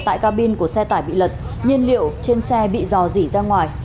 tại cabin của xe tải bị lật nhiên liệu trên xe bị dò dỉ ra ngoài